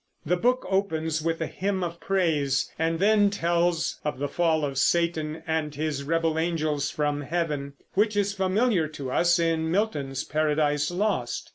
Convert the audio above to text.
The book opens with a hymn of praise, and then tells of the fall of Satan and his rebel angels from heaven, which is familiar to us in Milton's Paradise Lost.